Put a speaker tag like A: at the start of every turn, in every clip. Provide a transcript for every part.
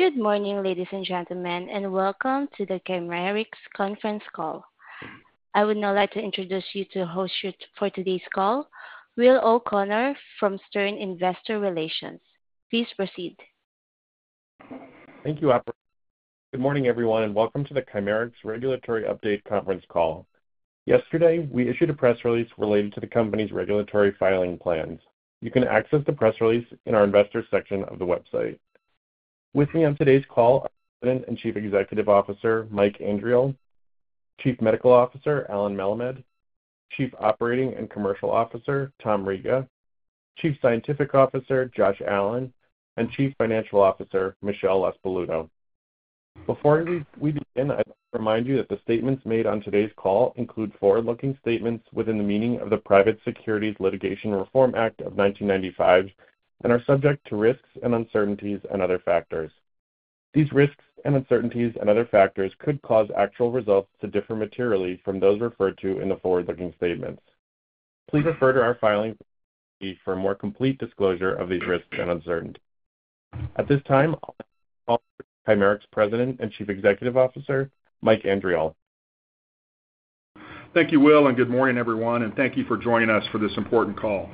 A: Good morning, ladies and gentlemen, and welcome to the Chimerix conference call. I would now like to introduce you to the host for today's call, Will O'Connor from Stern Investor Relations. Please proceed.
B: Thank you, operator. Good morning, everyone, and welcome to the Chimerix Regulatory Update conference call. Yesterday, we issued a press release related to the company's regulatory filing plans. You can access the press release in our Investor section of the website. With me on today's call are President and Chief Executive Officer Mike Andriole, Chief Medical Officer Allen Melemed, Chief Operating and Commercial Officer Tom Riga, Chief Scientific Officer Josh Allen, and Chief Financial Officer Michelle Laspaluto. Before we begin, I'd like to remind you that the statements made on today's call include forward-looking statements within the meaning of the Private Securities Litigation Reform Act of 1995 and are subject to risks and uncertainties and other factors. These risks and uncertainties and other factors could cause actual results to differ materially from those referred to in the forward-looking statements. Please refer to our filing for more complete disclosure of these risks and uncertainties. At this time, I'll call in Chimerix President and Chief Executive Officer Mike Andriole.
C: Thank you, Will, and good morning, everyone, and thank you for joining us for this important call.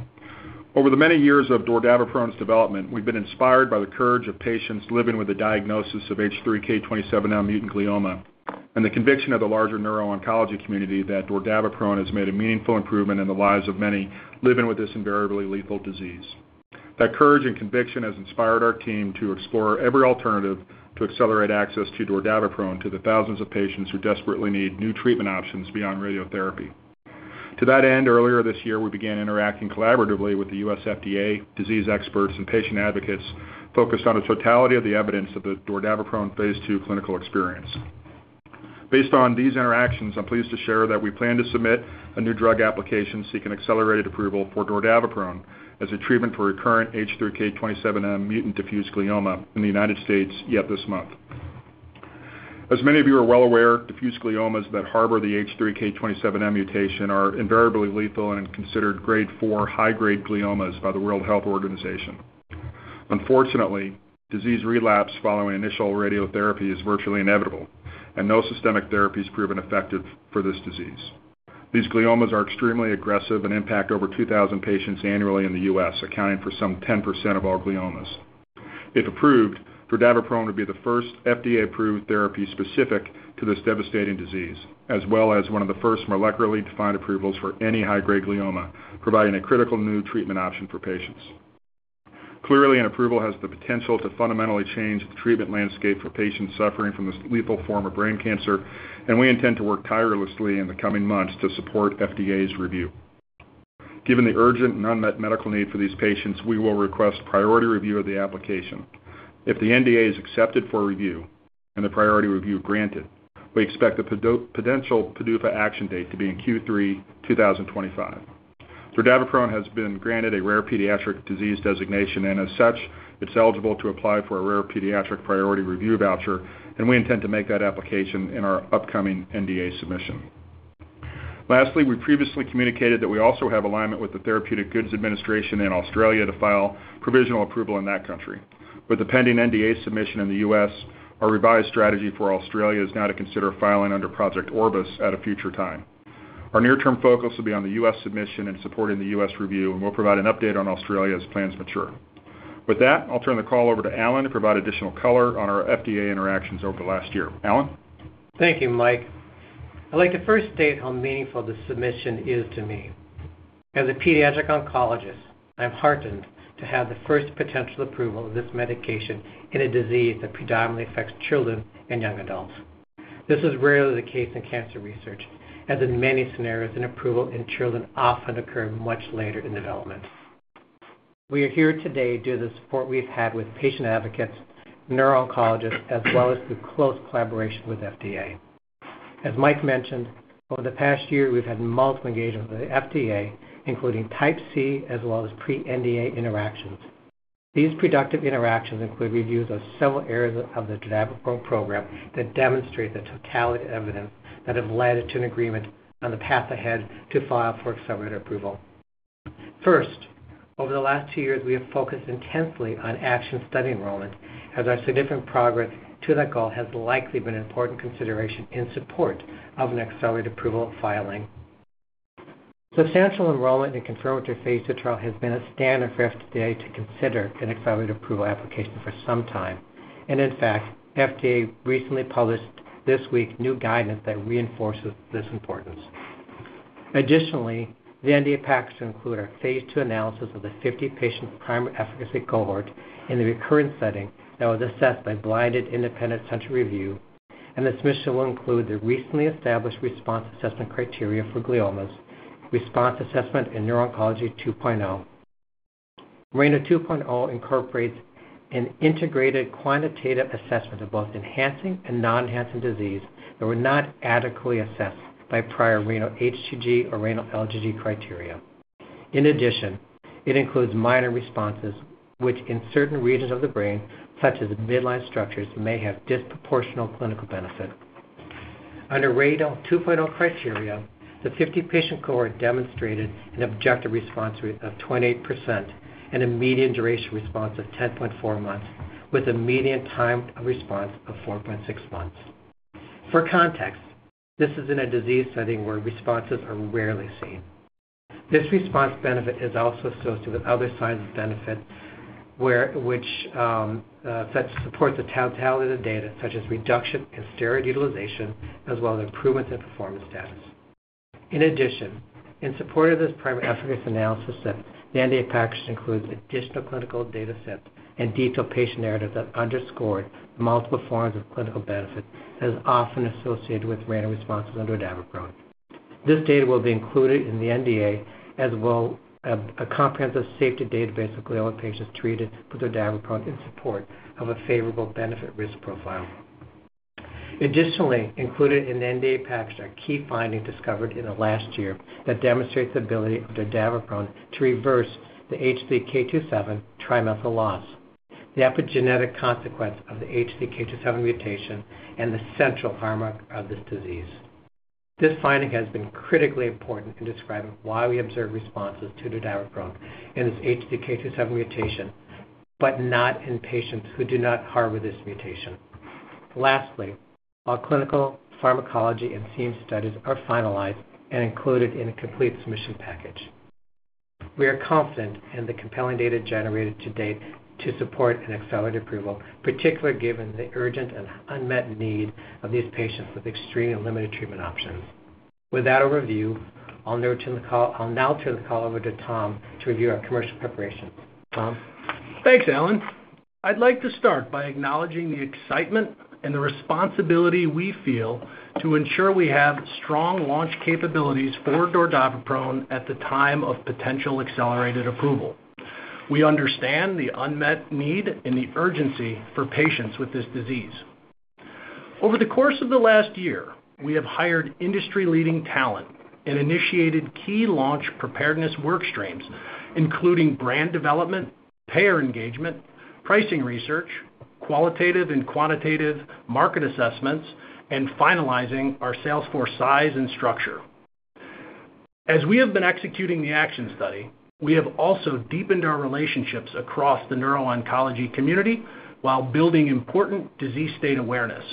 C: Over the many years of dordaviprone's development, we've been inspired by the courage of patients living with a diagnosis of H3K27M-mutant glioma and the conviction of the larger neuro-oncology community that dordaviprone has made a meaningful improvement in the lives of many living with this invariably lethal disease. That courage and conviction has inspired our team to explore every alternative to accelerate access to dordaviprone to the thousands of patients who desperately need new treatment options beyond radiotherapy. To that end, earlier this year, we began interacting collaboratively with the US FDA, disease experts, and patient advocates focused on the totality of the evidence of the dordaviprone phase 2 clinical experience. Based on these interactions, I'm pleased to share that we plan to submit a new drug application seeking accelerated approval for dordaviprone as a treatment for recurrent H3K27M-mutant diffuse glioma in the United States in this month. As many of you are well aware, diffuse gliomas that harbor the H3K27M mutation are invariably lethal and considered grade four high-grade gliomas by the World Health Organization. Unfortunately, disease relapse following initial radiotherapy is virtually inevitable, and no systemic therapy has proven effective for this disease. These gliomas are extremely aggressive and impact over 2,000 patients annually in the US, accounting for some 10% of all gliomas. If approved, dordaviprone would be the first FDA-approved therapy specific to this devastating disease, as well as one of the first molecularly defined approvals for any high-grade glioma, providing a critical new treatment option for patients. Clearly, an approval has the potential to fundamentally change the treatment landscape for patients suffering from this lethal form of brain cancer, and we intend to work tirelessly in the coming months to support FDA's review. Given the urgent and unmet medical need for these patients, we will request priority review of the application. If the NDA is accepted for review and the priority review granted, we expect the potential PDUFA action date to be in Q3 2025. dordaviprone has been granted a rare pediatric disease designation and, as such, it's eligible to apply for a rare pediatric priority review voucher, and we intend to make that application in our upcoming NDA submission. Lastly, we previously communicated that we also have alignment with the Therapeutic Goods Administration in Australia to file provisional approval in that country. With the pending NDA submission in the US, our revised strategy for Australia is now to consider filing under Project Orbis at a future time. Our near-term focus will be on the US submission and supporting the US review, and we'll provide an update on Australia as plans mature. With that, I'll turn the call over to Allen to provide additional color on our FDA interactions over the last year. Allen?
D: Thank you, Mike. I'd like to first state how meaningful this submission is to me. As a pediatric oncologist, I'm heartened to have the first potential approval of this medication in a disease that predominantly affects children and young adults. This is rarely the case in cancer research, as in many scenarios, an approval in children often occurs much later in development. We are here today due to the support we've had with patient advocates, neuro-oncologists, as well as through close collaboration with FDA. As Mike mentioned, over the past year, we've had multiple engagements with the FDA, including Type C as well as pre-NDA interactions. These productive interactions include reviews of several areas of the dordaviprone program that demonstrate the totality of evidence that have led to an agreement on the path ahead to file for accelerated approval. First, over the last two years, we have focused intensely on ACTION study enrollment, as our significant progress to that goal has likely been an important consideration in support of an accelerated approval filing. Substantial enrollment in confirmatory phase two trial has been a standard for FDA to consider an accelerated approval application for some time, and in fact, FDA recently published this week new guidance that reinforces this importance. Additionally, the NDA package will include a phase two analysis of the 50-patient primary efficacy cohort in the recurrent setting that was assessed by blinded independent central review, and this measure will include the recently established response assessment criteria for gliomas, Response Assessment in Neuro-Oncology 2.0. RANO 2.0 incorporates an integrated quantitative assessment of both enhancing and non-enhancing disease that were not adequately assessed by prior RANO HGG or RANO LGG criteria. In addition, it includes minor responses which, in certain regions of the brain, such as midline structures, may have disproportionate clinical benefit. Under RANO 2.0 criteria, the 50-patient cohort demonstrated an objective response rate of 28% and a median duration response of 10.4 months, with a median time of response of 4.6 months. For context, this is in a disease setting where responses are rarely seen. This response benefit is also associated with other signs of benefit which supports the totality of the data, such as reduction in steroid utilization, as well as improvements in performance status. In addition, in support of this primary efficacy analysis, the NDA package includes additional clinical data sets and detailed patient narratives that underscore multiple forms of clinical benefit that are often associated with random responses on dordaviprone. This data will be included in the NDA, as well as a comprehensive safety database of glioma patients treated with dordaviprone in support of a favorable benefit-risk profile. Additionally, included in the NDA package are key findings discovered in the last year that demonstrate the ability of dordaviprone to reverse the H3K27 trimethyl loss, the epigenetic consequence of the H3K27M mutation, and the central hallmark of this disease. This finding has been critically important in describing why we observe responses to dordaviprone and this H3K27M mutation, but not in patients who do not harbor this mutation. Lastly, our clinical pharmacology and CMC studies are finalized and included in a complete submission package. We are confident in the compelling data generated to date to support an accelerated approval, particularly given the urgent and unmet need of these patients with extremely limited treatment options. With that overview, I'll now turn the call over to Tom to review our commercial preparations. Tom?
E: Thanks, Allen. I'd like to start by acknowledging the excitement and the responsibility we feel to ensure we have strong launch capabilities for dordaviprone at the time of potential accelerated approval. We understand the unmet need and the urgency for patients with this disease. Over the course of the last year, we have hired industry-leading talent and initiated key launch preparedness work streams, including brand development, payer engagement, pricing research, qualitative and quantitative market assessments, and finalizing our sales force size and structure. As we have been executing the ACTION study, we have also deepened our relationships across the neuro-oncology community while building important disease state awareness.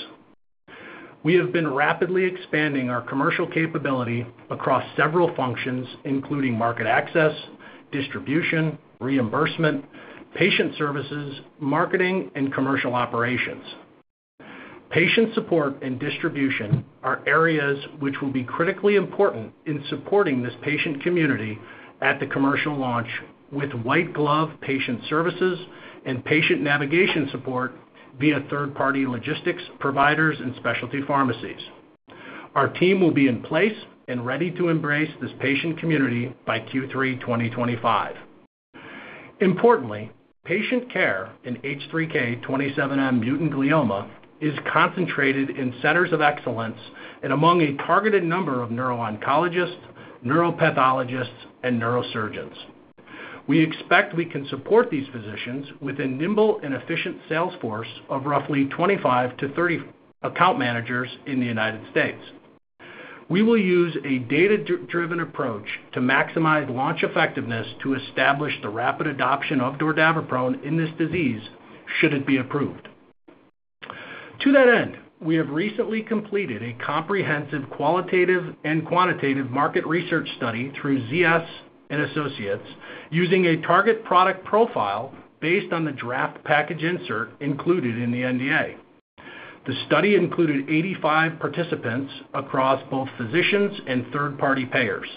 E: We have been rapidly expanding our commercial capability across several functions, including market access, distribution, reimbursement, patient services, marketing, and commercial operations. Patient support and distribution are areas which will be critically important in supporting this patient community at the commercial launch with white-glove patient services and patient navigation support via third-party logistics providers and specialty pharmacies. Our team will be in place and ready to embrace this patient community by Q3 2025. Importantly, patient care in H3K27M-mutant glioma is concentrated in Centers of Excellence and among a targeted number of neuro-oncologists, neuropathologists, and neurosurgeons. We expect we can support these physicians with a nimble and efficient sales force of roughly 25 to 30 account managers in the United States. We will use a data-driven approach to maximize launch effectiveness to establish the rapid adoption of dordaviprone in this disease should it be approved. To that end, we have recently completed a comprehensive qualitative and quantitative market research study through ZS Associates using a target product profile based on the draft package insert included in the NDA. The study included 85 participants across both physicians and third-party payers.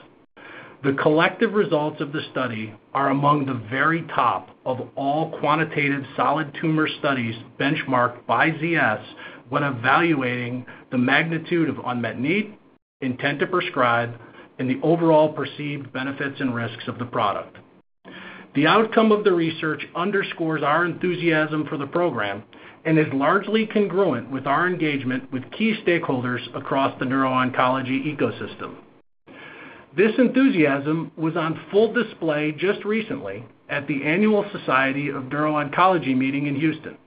E: The collective results of the study are among the very top of all quantitative solid tumor studies benchmarked by ZS when evaluating the magnitude of unmet need, intent to prescribe, and the overall perceived benefits and risks of the product. The outcome of the research underscores our enthusiasm for the program and is largely congruent with our engagement with key stakeholders across the neuro-oncology ecosystem. This enthusiasm was on full display just recently at the annual Society for Neuro-Oncology meeting in Houston.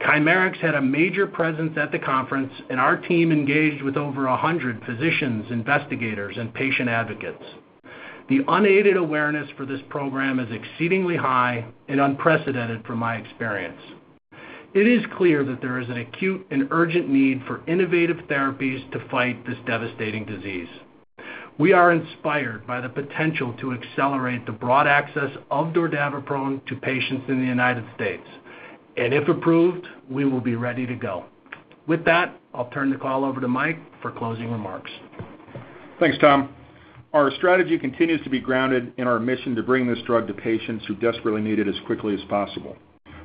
E: Chimerix had a major presence at the conference, and our team engaged with over 100 physicians, investigators, and patient advocates. The unaided awareness for this program is exceedingly high and unprecedented from my experience. It is clear that there is an acute and urgent need for innovative therapies to fight this devastating disease. We are inspired by the potential to accelerate the broad access of dordaviprone to patients in the United States, and if approved, we will be ready to go. With that, I'll turn the call over to Mike for closing remarks.
C: Thanks, Tom. Our strategy continues to be grounded in our mission to bring this drug to patients who desperately need it as quickly as possible.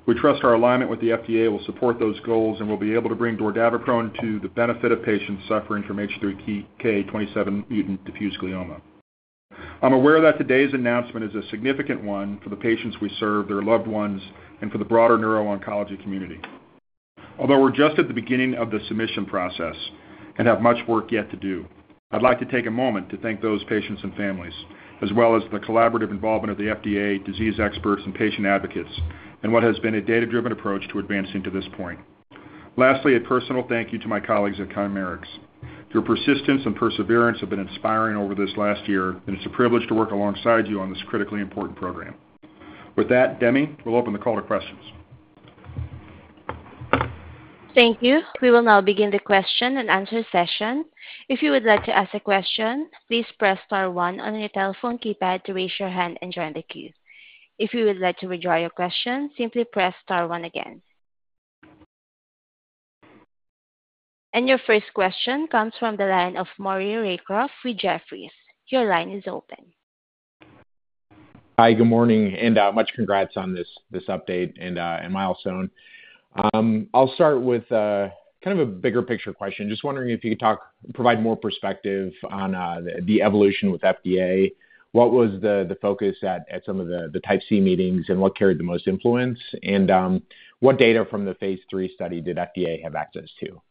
C: We trust our alignment with the FDA will support those goals and will be able to bring dordaviprone to the benefit of patients suffering from H3K27M-mutant diffuse glioma. I'm aware that today's announcement is a significant one for the patients we serve, their loved ones, and for the broader neuro-oncology community. Although we're just at the beginning of the submission process and have much work yet to do, I'd like to take a moment to thank those patients and families, as well as the collaborative involvement of the FDA, disease experts, and patient advocates, and what has been a data-driven approach to advancing to this point. Lastly, a personal thank you to my colleagues at Chimerix. Your persistence and perseverance have been inspiring over this last year, and it's a privilege to work alongside you on this critically important program. With that, Demi, we'll open the call to questions.
A: Thank you. We will now begin the question and answer session. If you would like to ask a question, please press star one on your telephone keypad to raise your hand and join the queue. If you would like to withdraw your question, simply press star one again, and your first question comes from the line of Maury Raycroft with Jefferies. Your line is open.
F: Hi, good morning, and much congrats on this update and milestone. I'll start with kind of a bigger picture question. Just wondering if you could provide more perspective on the evolution with FDA. What was the focus at some of the type C meetings, and what carried the most influence, and what data from the phase three study did FDA have access to?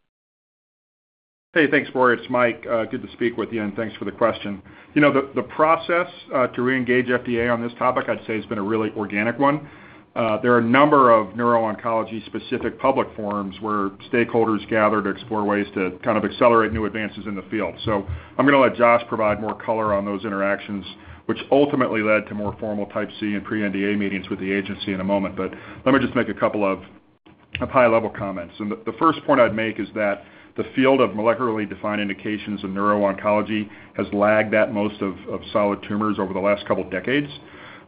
C: Hey, thanks, Maury. Mike, good to speak with you, and thanks for the question. The process to re-engage FDA on this topic, I'd say, has been a really organic one. There are a number of neuro-oncology-specific public forums where stakeholders gather to explore ways to kind of accelerate new advances in the field, so I'm going to let Josh provide more color on those interactions, which ultimately led to more formal Type C and pre-NDA meetings with the agency in a moment. But let me just make a couple of high-level comments, and the first point I'd make is that the field of molecularly defined indications in neuro-oncology has lagged at most of solid tumors over the last couple of decades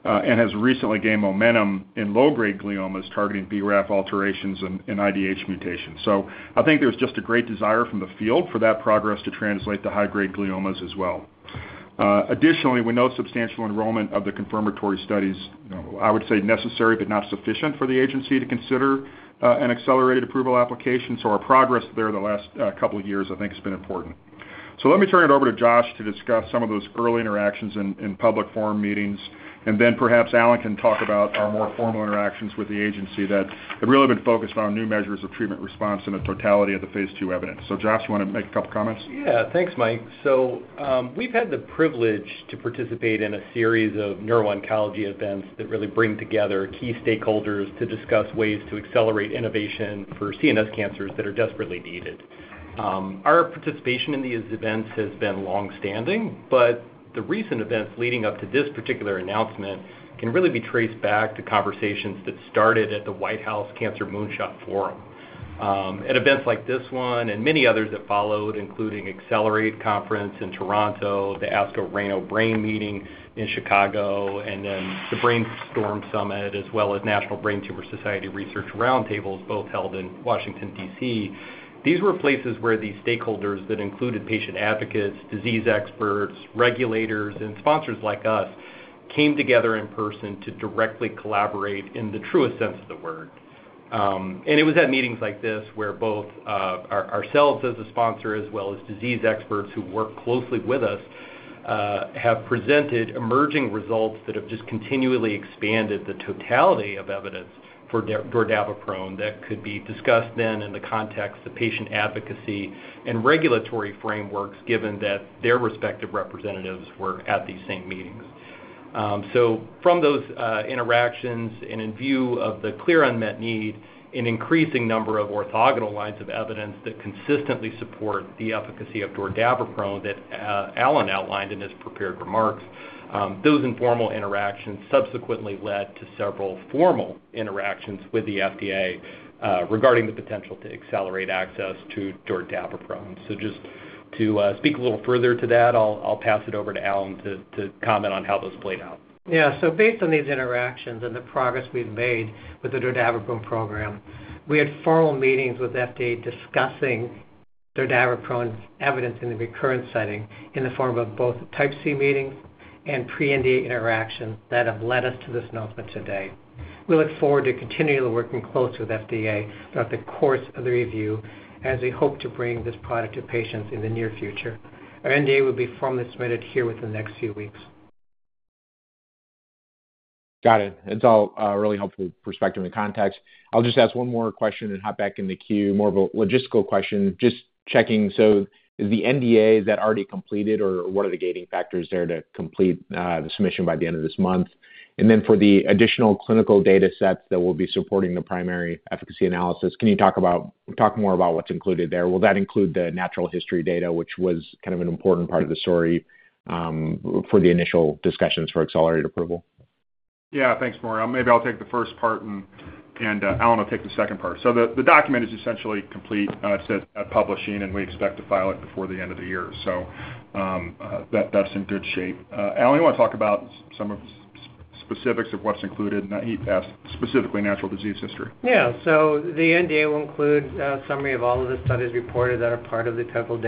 C: and has recently gained momentum in low-grade gliomas targeting BRAF alterations and IDH mutations. So I think there's just a great desire from the field for that progress to translate to high-grade gliomas as well. Additionally, we know substantial enrollment of the confirmatory studies I would say necessary, but not sufficient for the agency to consider an accelerated approval application. So our progress there the last couple of years, I think, has been important. So let me turn it over to Josh to discuss some of those early interactions in public forum meetings, and then perhaps Allen can talk about our more formal interactions with the agency that have really been focused on new measures of treatment response and the totality of the phase II evidence. So Josh, you want to make a couple of comments?
G: Yeah, thanks, Mike. So we've had the privilege to participate in a series of neuro-oncology events that really bring together key stakeholders to discuss ways to accelerate innovation for CNS cancers that are desperately needed. Our participation in these events has been longstanding, but the recent events leading up to this particular announcement can really be traced back to conversations that started at the White House Cancer Moonshot Forum. At events like this one and many others that followed, including Accelerate Conference in Toronto, the ASCO/RANO Brain Meeting in Chicago, and then the Brainstorm Summit, as well as National Brain Tumor Society Research Roundtables, both held in Washington, D.C., these were places where these stakeholders that included patient advocates, disease experts, regulators, and sponsors like us came together in person to directly collaborate in the truest sense of the word. It was at meetings like this where both ourselves as a sponsor as well as disease experts who work closely with us have presented emerging results that have just continually expanded the totality of evidence for dordaviprone that could be discussed then in the context of patient advocacy and regulatory frameworks, given that their respective representatives were at these same meetings. From those interactions and in view of the clear unmet need and increasing number of orthogonal lines of evidence that consistently support the efficacy of dordaviprone that Allen outlined in his prepared remarks, those informal interactions subsequently led to several formal interactions with the FDA regarding the potential to accelerate access to dordaviprone. Just to speak a little further to that, I'll pass it over to Allen to comment on how those played out.
D: Yeah, so based on these interactions and the progress we've made with the dordaviprone program, we had formal meetings with FDA discussing dordaviprone evidence in the recurrence setting in the form of both Type C meetings and pre-NDA interactions that have led us to this announcement today. We look forward to continuing to work closely with FDA throughout the course of the review as we hope to bring this product to patients in the near future. Our NDA will be formally submitted sometime within the next few weeks.
F: Got it. That's all a really helpful perspective and context. I'll just ask one more question and hop back in the queue, more of a logistical question. Just checking, so is the NDA already completed, or what are the gating factors there to complete the submission by the end of this month? And then for the additional clinical data sets that will be supporting the primary efficacy analysis, can you talk more about what's included there? Will that include the natural history data, which was kind of an important part of the story for the initial discussions for accelerated approval?
C: Yeah, thanks, Maury. Maybe I'll take the first part, and Allen will take the second part. So the document is essentially complete. It's at publishing, and we expect to file it before the end of the year. So that's in good shape. Allen, you want to talk about some of the specifics of what's included in that, specifically natural disease history?
D: Yeah, so the NDA will include a summary of all of the studies reported that are part of the total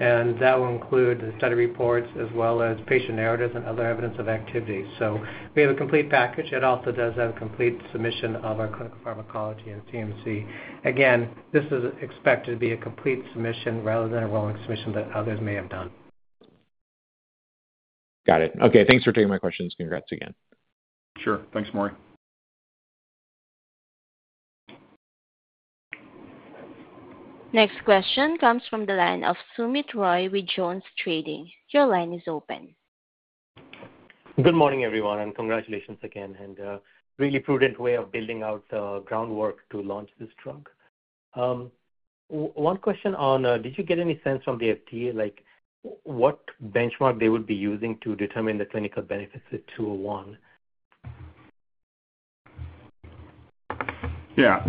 D: data, and that will include the study reports as well as patient narratives and other evidence of activity, so we have a complete package. It also does have a complete submission of our clinical pharmacology and CMC. Again, this is expected to be a complete submission rather than a rolling submission that others may have done.
F: Got it. Okay, thanks for taking my questions. Congrats again.
C: Sure. Thanks, Maury.
A: Next question comes from the line of Soumit Roy with JonesTrading. Your line is open.
H: Good morning, everyone, and congratulations again and really prudent way of building out the groundwork to launch this drug. One question on, did you get any sense from the FDA what benchmark they would be using to determine the clinical benefits of ONC201?
C: Yeah,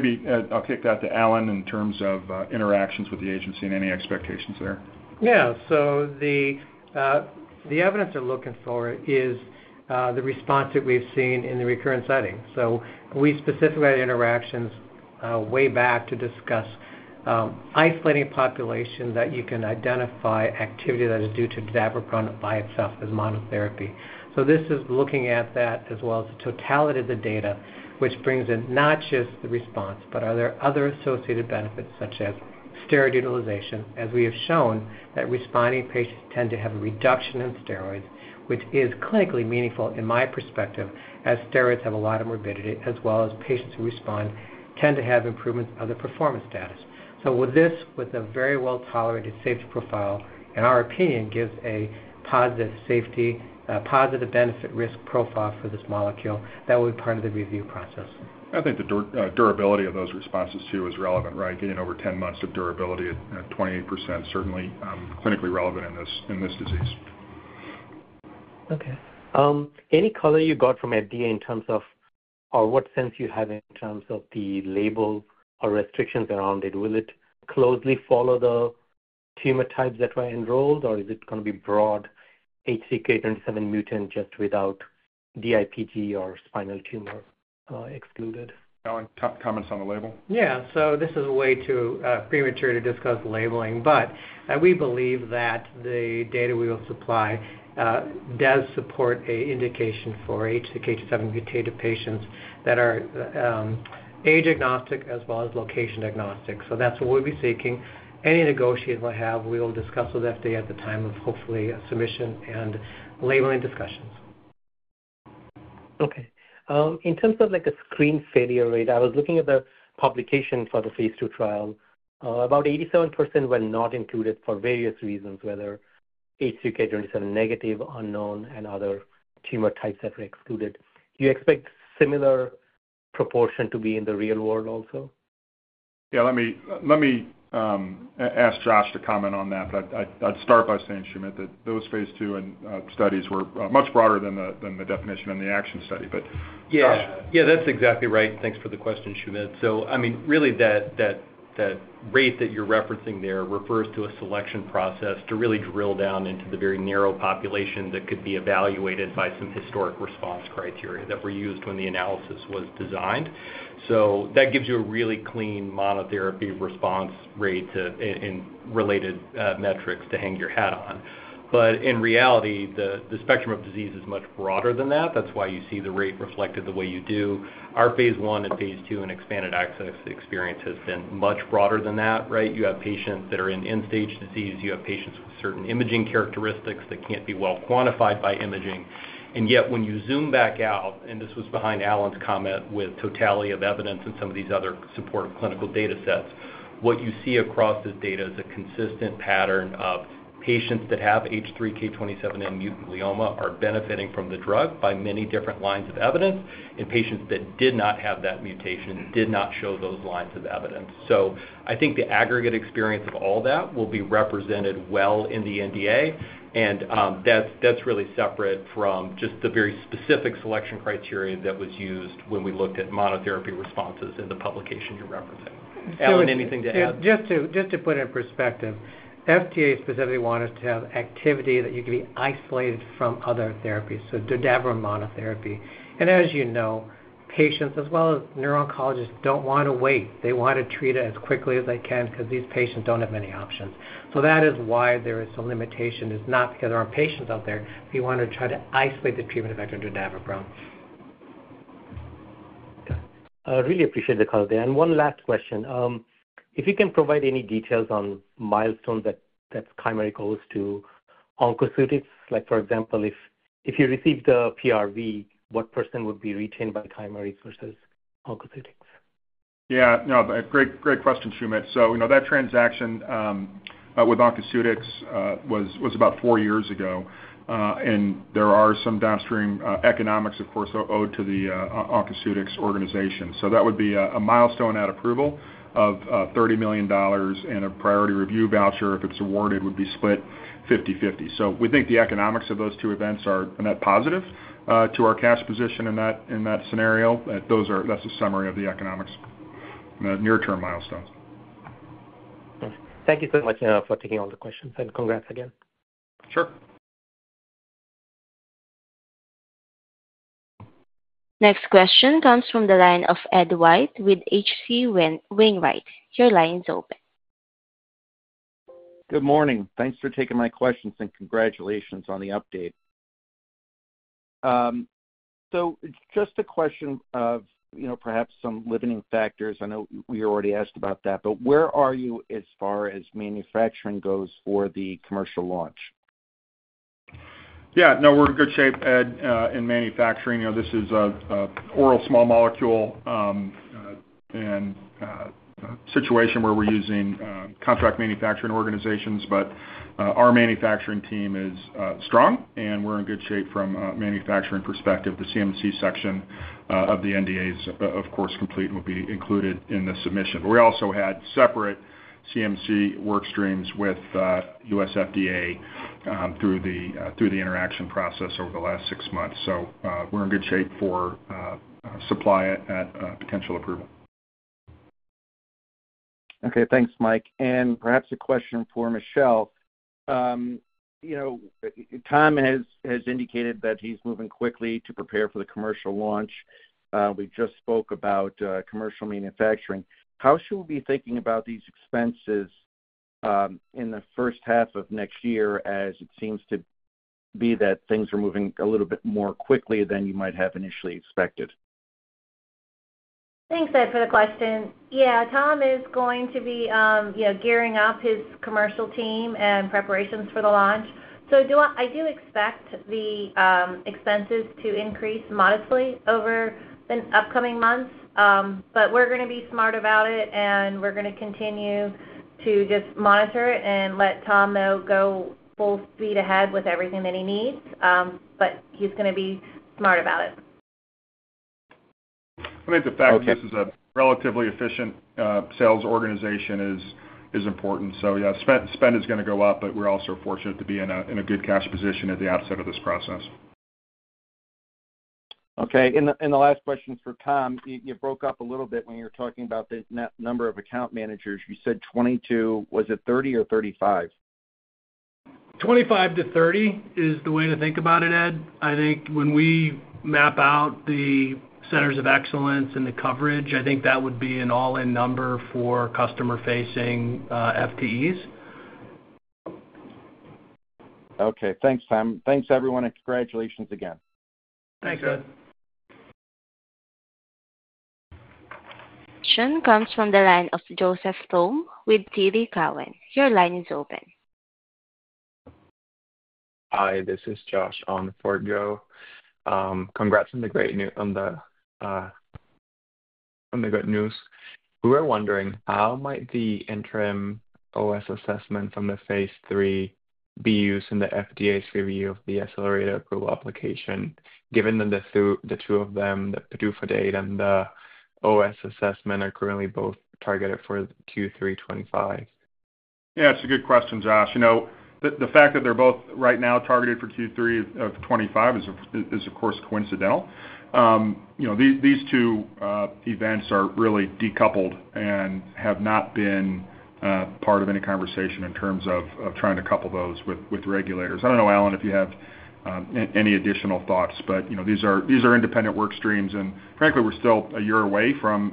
C: maybe I'll kick that to Allen in terms of interactions with the agency and any expectations there.
D: Yeah, so the evidence they're looking for is the response that we've seen in the recurrence setting. So we specifically had interactions way back to discuss isolating a population that you can identify activity that is due to dordaviprone by itself as monotherapy. So this is looking at that as well as the totality of the data, which brings in not just the response, but are there other associated benefits such as steroid utilization, as we have shown that responding patients tend to have a reduction in steroids, which is clinically meaningful in my perspective as steroids have a lot of morbidity, as well as patients who respond tend to have improvements of the performance status. So with this, with a very well-tolerated safety profile, in our opinion, gives a positive safety, positive benefit-risk profile for this molecule that will be part of the review process.
C: I think the durability of those responses too is relevant, right? Getting over 10 months of durability at 28%, certainly clinically relevant in this disease.
H: Okay. Any color you got from FDA in terms of, or what sense you have in terms of the label or restrictions around it? Will it closely follow the tumor types that were enrolled, or is it going to be broad H3K27M-mutant just without DIPG or spinal tumor excluded?
C: Allen comments on the label?
D: Yeah, so this is way too premature to discuss labeling, but we believe that the data we will supply does support an indication for H3K27M-mutated patients that are age-agnostic as well as location-agnostic. So that's what we'll be seeking. Any negotiation we'll have, we will discuss with FDA at the time of hopefully submission and labeling discussions.
H: Okay. In terms of a screen failure rate, I was looking at the publication for the phase two trial. About 87% were not included for various reasons, whether H3K27 negative, unknown, and other tumor types that were excluded. Do you expect similar proportion to be in the real world also?
C: Yeah, let me ask Josh to comment on that, but I'd start by saying, Soumit, that those phase two studies were much broader than the definition in the ACTION study, but.
G: Yeah, that's exactly right. Thanks for the question, Soumit. So I mean, really, that rate that you're referencing there refers to a selection process to really drill down into the very narrow population that could be evaluated by some historic response criteria that were used when the analysis was designed. So that gives you a really clean monotherapy response rate and related metrics to hang your hat on. But in reality, the spectrum of disease is much broader than that. That's why you see the rate reflected the way you do. Our phase I and phase II and expanded access experience has been much broader than that, right? You have patients that are in end-stage disease. You have patients with certain imaging characteristics that can't be well quantified by imaging. And yet, when you zoom back out, and this was behind Allen's comment with totality of evidence and some of these other supportive clinical data sets, what you see across the data is a consistent pattern of patients that have H3K27M-mutant glioma are benefiting from the drug by many different lines of evidence and patients that did not have that mutation did not show those lines of evidence. So I think the aggregate experience of all that will be represented well in the NDA, and that's really separate from just the very specific selection criteria that was used when we looked at monotherapy responses in the publication you're referencing. Allen anything to add?
D: Just to put it in perspective, FDA specifically wanted to have activity that you can be isolated from other therapies, so dordaviprone monotherapy, and as you know, patients as well as neuro-oncologists don't want to wait. They want to treat it as quickly as they can because these patients don't have many options, so that is why there is some limitation. It's not because there aren't patients out there. We want to try to isolate the treatment effect of dordaviprone.
H: Really appreciate the call there. And one last question. If you can provide any details on milestones that Chimerix owes to Oncoceutics, for example, if you received the PRV, what portion would be retained by Chimerix versus Oncoceutics?
C: Yeah, no, great question, Soumit. So that transaction with Oncoceutics was about four years ago, and there are some downstream economics, of course, owed to the Oncoceutics organization. So that would be a milestone at approval of $30 million and a priority review voucher, if it's awarded, would be split 50/50. So we think the economics of those two events are net positive to our cash position in that scenario. That's a summary of the economics, the near-term milestones.
H: Thank you so much for taking all the questions, and congrats again.
C: Sure.
A: Next question comes from the line of Ed White with H.C. Wainwright. Your line is open.
I: Good morning. Thanks for taking my questions and congratulations on the update. So it's just a question of perhaps some limiting factors. I know we already asked about that, but where are you as far as manufacturing goes for the commercial launch?
C: Yeah, no, we're in good shape, Ed, in manufacturing. This is an oral small molecule and a situation where we're using contract manufacturing organizations, but our manufacturing team is strong, and we're in good shape from a manufacturing perspective. The CMC section of the NDA is, of course, complete and will be included in the submission. But we also had separate CMC workstreams with US FDA through the interaction process over the last six months. So we're in good shape for supply at potential approval.
I: Okay, thanks, Mike. And perhaps a question for Michelle. Tom has indicated that he's moving quickly to prepare for the commercial launch. We just spoke about commercial manufacturing. How should we be thinking about these expenses in the first half of next year as it seems to be that things are moving a little bit more quickly than you might have initially expected?
J: Thanks, Ed, for the question. Yeah, Tom is going to be gearing up his commercial team and preparations for the launch. So I do expect the expenses to increase modestly over the upcoming months, but we're going to be smart about it, and we're going to continue to just monitor it and let Tom know, go full speed ahead with everything that he needs, but he's going to be smart about it.
C: I think the fact that this is a relatively efficient sales organization is important, so yeah, spend is going to go up, but we're also fortunate to be in a good cash position at the outset of this process.
I: Okay, and the last question for Tom, you broke up a little bit when you were talking about the number of account managers. You said 22. Was it 30 or 35?
E: 25 to 30 is the way to think about it, Ed. I think when we map out the centers of excellence and the coverage, I think that would be an all-in number for customer-facing FTEs.
I: Okay, thanks, Tom. Thanks, everyone, and congratulations again.
E: Thanks, Ed.
A: question comes from the line of Josh with TD Cowen. Your line is open.
K: Hi, this is Josh from TD Cowen. Congrats on the great news. We were wondering how might the interim OS assessment from the phase three be used in the FDA's review of the accelerated approval application, given that the two of them, the PDUFA data and the OS assessment, are currently both targeted for Q3 2025?
C: Yeah, it's a good question, Josh. The fact that they're both right now targeted for Q3 of 2025 is, of course, coincidental. These two events are really decoupled and have not been part of any conversation in terms of trying to couple those with regulators. I don't know, Allen, if you have any additional thoughts, but these are independent workstreams, and frankly, we're still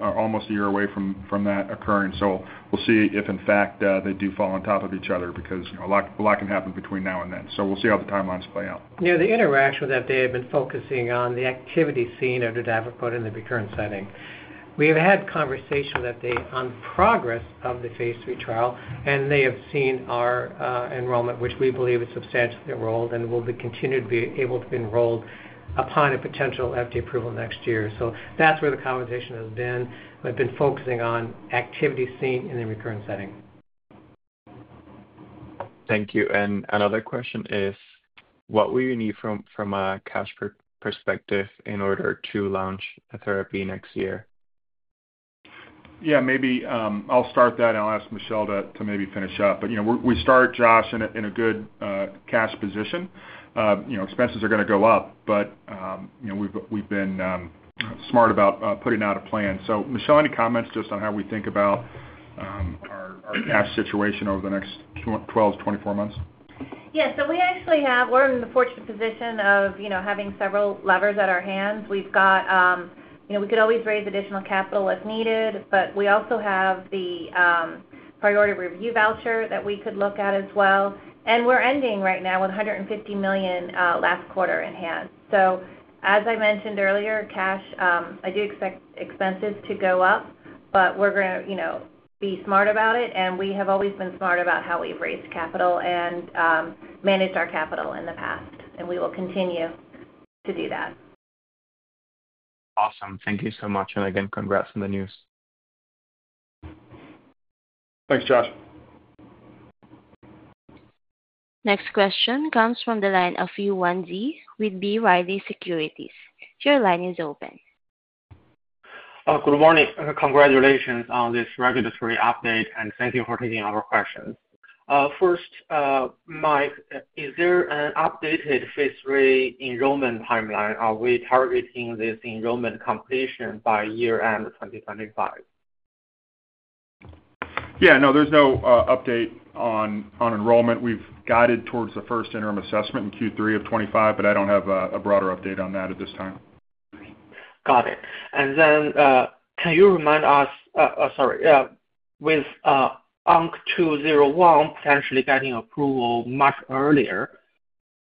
C: almost a year away from that occurring. So we'll see if, in fact, they do fall on top of each other because a lot can happen between now and then. So we'll see how the timelines play out.
D: Yeah, the interaction with FDA has been focusing on the activity seen of dordaviprone in the recurrence setting. We have had conversations with FDA on progress of the phase three trial, and they have seen our enrollment, which we believe is substantially enrolled and will continue to be able to be enrolled upon a potential FDA approval next year. So that's where the conversation has been. We've been focusing on activity seen in the recurrence setting.
K: Thank you, and another question is, what will you need from a cash perspective in order to launch a therapy next year?
C: Yeah, maybe I'll start that, and I'll ask Michelle to maybe finish up. But we start, Josh, in a good cash position. Expenses are going to go up, but we've been smart about putting out a plan. So Michelle, any comments just on how we think about our cash situation over the next 12-24 months? Yeah, so we actually have, we're in the fortunate position of having several levers at our hands. We've got, we could always raise additional capital if needed, but we also have the priority review voucher that we could look at as well. And we're ending right now with $150 million last quarter in hand. So as I mentioned earlier, cash. I do expect expenses to go up, but we're going to be smart about it, and we have always been smart about how we've raised capital and managed our capital in the past, and we will continue to do that.
K: Awesome. Thank you so much, and again, congrats on the news.
C: Thanks, Josh.
A: Next question comes from the line of Yuan Zhi with B. Riley Securities. Your line is open.
L: Good morning. Congratulations on this regulatory update, and thank you for taking our questions. First, Mike, is there an updated phase III enrollment timeline? Are we targeting this enrollment completion by year-end 2025?
C: Yeah, no, there's no update on enrollment. We've guided towards the first interim assessment in Q3 of 2025, but I don't have a broader update on that at this time.
L: Got it. And then can you remind us, sorry, with ONC201 potentially getting approval much earlier,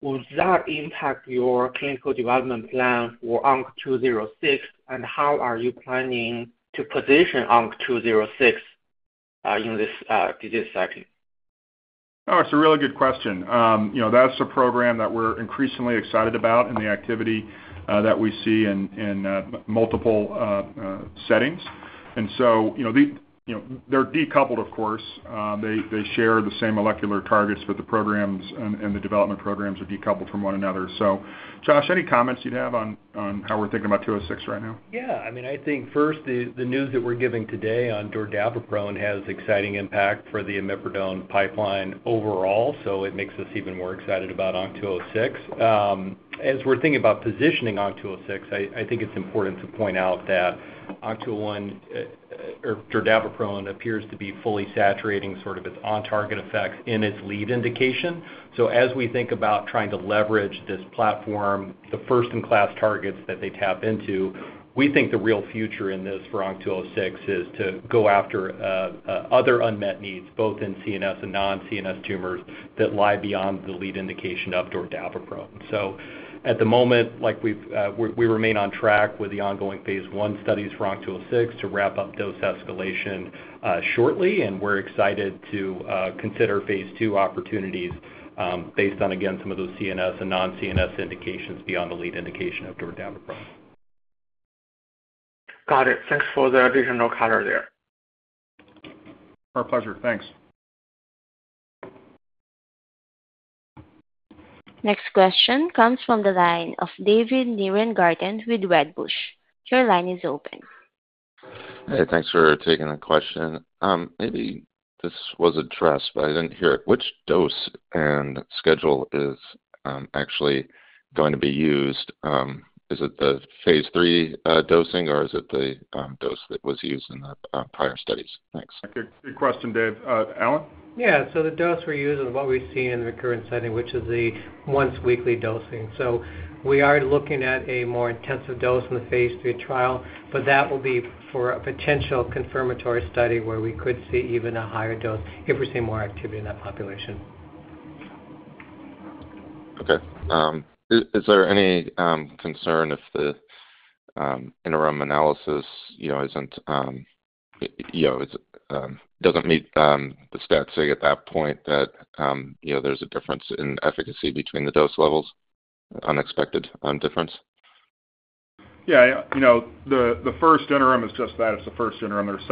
L: will that impact your clinical development plan for ONC206, and how are you planning to position ONC206 in this disease setting?
C: Oh, it's a really good question. That's a program that we're increasingly excited about and the activity that we see in multiple settings. And so they're decoupled, of course. They share the same molecular targets, but the programs and the development programs are decoupled from one another. So Josh, any comments you'd have on how we're thinking about 206 right now?
G: Yeah, I mean, I think first, the news that we're giving today on dordaviprone has exciting impact for the imipridone pipeline overall, so it makes us even more excited about ONC206. As we're thinking about positioning ONC206, I think it's important to point out that ONC201 or dordaviprone appears to be fully saturating sort of its on-target effects in its lead indication. So as we think about trying to leverage this platform, the first-in-class targets that they tap into, we think the real future in this for ONC206 is to go after other unmet needs, both in CNS and non-CNS tumors that lie beyond the lead indication of dordaviprone. So at the moment, we remain on track with the ongoing phase one studies for ONC206 to wrap up dose escalation shortly, and we're excited to consider phase two opportunities based on, again, some of those CNS and non-CNS indications beyond the lead indication of dordaviprone.
L: Got it. Thanks for the additional color there.
C: Our pleasure. Thanks.
A: Next question comes from the line of David Nierengarten with Wedbush. Your line is open.
M: Hey, thanks for taking the question. Maybe this was addressed, but I didn't hear it. Which dose and schedule is actually going to be used? Is it the phase three dosing, or is it the dose that was used in the prior studies? Thanks.
C: Good question, Dave. Allen?
D: Yeah, so the dose we're using is what we've seen in the recurrence setting, which is the once-weekly dosing. So we are looking at a more intensive dose in the phase three trial, but that will be for a potential confirmatory study where we could see even a higher dose if we see more activity in that population.
M: Okay. Is there any concern if the interim analysis doesn't meet the statistic at that point that there's a difference in efficacy between the dose levels, unexpected difference?
C: Yeah, the first interim is just that. It's the first interim. There's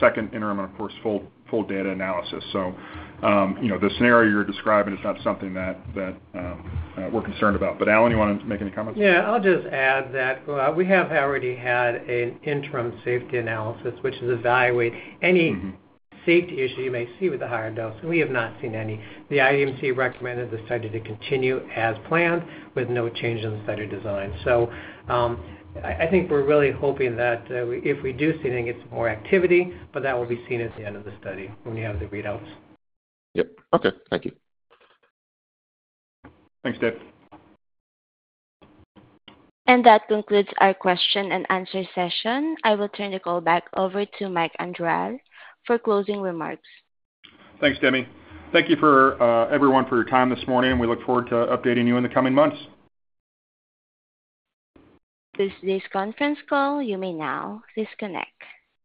C: second interim, and of course, full data analysis. So the scenario you're describing is not something that we're concerned about. But Allen, you want to make any comments?
D: Yeah, I'll just add that we have already had an interim safety analysis, which is to evaluate any safety issue you may see with the higher dose. We have not seen any. The IDMC recommended the study to continue as planned with no change in the study design. So I think we're really hoping that if we do see anything, it's more activity, but that will be seen at the end of the study when we have the readouts.
M: Yep. Okay, thank you.
C: Thanks, Dave.
A: And that concludes our question and answer session. I will turn the call back over to Mike Andriole for closing remarks.
C: Thanks, Demi. Thank you for everyone for your time this morning, and we look forward to updating you in the coming months.
A: This conference call, you may now disconnect.